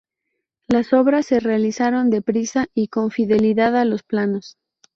Las obras se realizaron deprisa y con fidelidad a los planos.